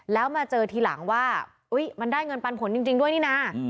แล้วมาเจอทีหลังว่ามันได้เงินปันผลจริงด้วยนี่นะ